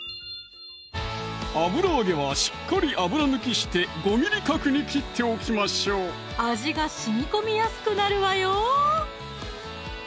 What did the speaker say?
油揚げはしっかり油抜きして５ミリ角に切っておきましょう味がしみこみやすくなるわよ